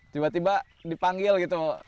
tiba tiba dipanggil gitu